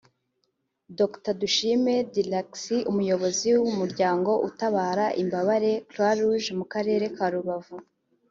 Dr Dushime Dyrckx umuyobozi w’umuryango utabara imbabare Croix Rouge mu Karere ka Rubavu